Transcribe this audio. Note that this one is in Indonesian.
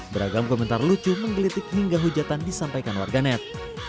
beragam komentar lucu menggelitik hingga hujatan disampaikan warganet